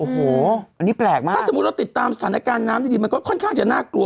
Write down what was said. เฮ้ยสูงขนาดนั้นภูเขานะ